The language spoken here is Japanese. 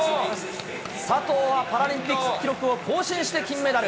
佐藤はパラリンピック記録を更新して金メダル。